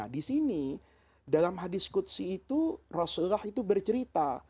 di sini dalam hadis kutsi itu rasulullah itu bercerita